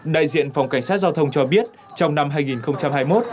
đại diện phòng cảnh sát giao thông cho biết trong năm hai nghìn hai mươi một